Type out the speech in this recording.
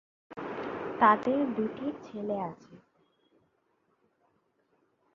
তাদের দুটি ছেলে আছে।